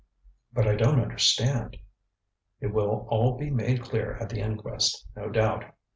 ŌĆØ ŌĆ£But I don't understand. ŌĆØ ŌĆ£It will all be made clear at the inquest, no doubt.